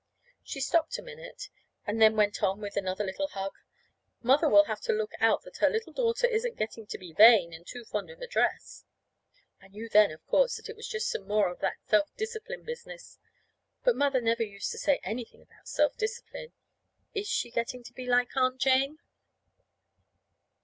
She stopped a minute, then went on with another little hug: "Mother will have to look out that her little daughter isn't getting to be vain, and too fond of dress." I knew then, of course, that it was just some more of that self discipline business. But Mother never used to say anything about self discipline. Is she getting to be like Aunt Jane?